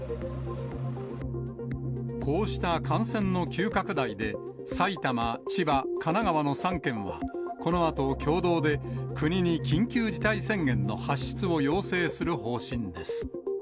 こうした感染の急拡大で、埼玉、千葉、神奈川の３県は、このあと共同で国に緊急事態宣言の発出を要請する方針です。